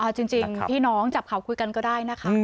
เอาจริงพี่น้องจับเขาคุยกันก็ได้นะคะ